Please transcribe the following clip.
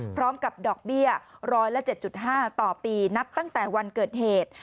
พร้อมกับดอกเบี้ย๑๐๗๕ต่อปีนับตั้งแต่วันเกิดเหตุ